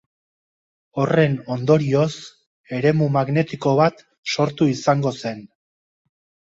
Horren ondorioz eremu magnetiko bat sortu izango zen.